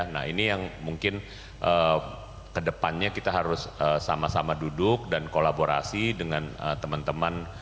nah ini yang mungkin kedepannya kita harus sama sama duduk dan kolaborasi dengan teman teman